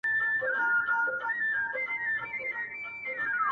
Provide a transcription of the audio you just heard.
خو د سپي د ژوند موده وه پوره سوې,